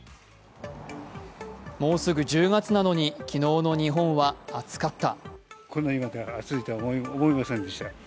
もうすぐ１０月なのに昨日の日本は暑かった。